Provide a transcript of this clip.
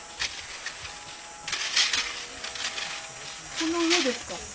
この上ですか？